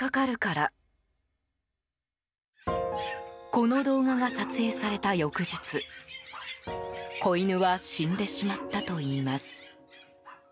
この動画が撮影された翌日子犬は死んでしまったといいます。